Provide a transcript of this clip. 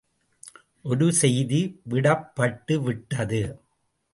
ஒரு செய்தி விடப்பட்டுவிட்டது.